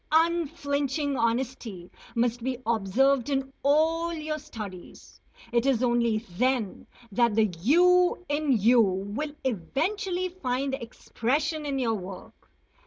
#Unflinching honesty# must be observed in all your studies. It is only then that the "you" in you will eventually find expression in your work.